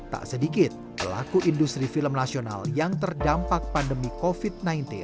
tak sedikit pelaku industri film nasional yang terdampak pandemi covid sembilan belas